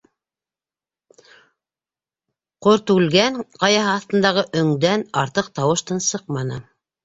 Ҡортүлгән ҡаяһы аҫтындағы өңдән артыҡ тауыш-тын сыҡманы.